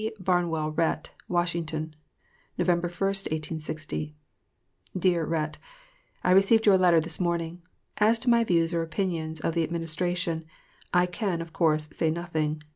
BARNWELL RHETT. WASHINGTON, Nov. 1, 1860. DEAR RHETT: I received your letter this morning. As to my views or opinions of the Administration, I can, of course, say nothing.